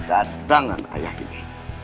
betadangan ayah ini